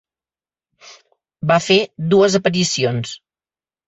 Va fer dues aparicions.